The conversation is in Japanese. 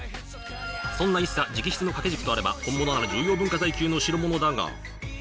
そんな一茶直筆の本物なら重要文化財級の代物だが。